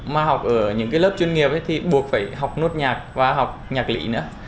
mà học ở những cái lớp chuyên nghiệp thì buộc phải học nốt nhạc và học nhạc lý nữa